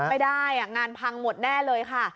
ไม่ได้งานพังหมดแน่เลยค่ะ